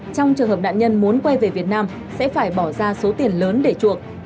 trong trường hợp nạn nhân muốn quay về việt nam sẽ phải bỏ ra số tiền lớn để chuộc